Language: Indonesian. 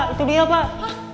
itu dia pak